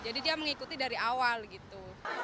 jadi dia mengikuti dari awal gitu